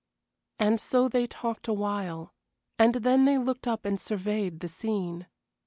And so they talked awhile, and then they looked up and surveyed the scene.